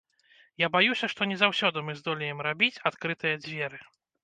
Я баюся, што не заўсёды мы здолеем рабіць адкрытыя дзверы.